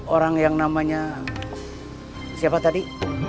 orang yang namanya siapa tadi